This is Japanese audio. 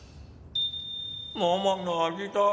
ママの味だ！